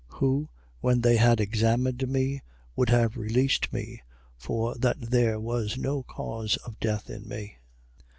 28:18. Who, when they had examined me, would have released me, for that there was no cause of death in me.